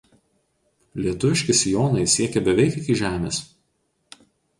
Lietuviški sijonai siekė beveik iki žemės.